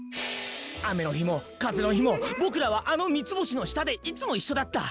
あめのひもかぜのひもぼくらはあのみつぼしのしたでいつもいっしょだった！